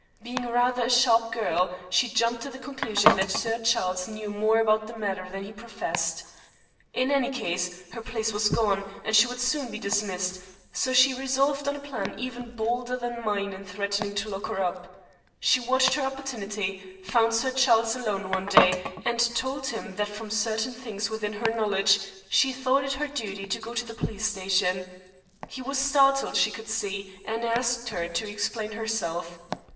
Being rather a sharp girl, she jumped to the conclusion that Sir Charles knew more about the matter than he professed. In any case, her place was gone, and she would soon be dismissed, so she resolved on a plan even bolder than mine in threatening to lock her up. She watched her opportunity, found Sir Charles alone one day, and told him that from certain things within her knowledge, she thought it her duty to go to the police station. He was startled, she could see, and asked her to explain herself.